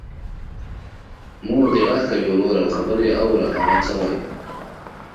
مور دی غږ کوې وروره او خبر یې اوره هغه څه وايي.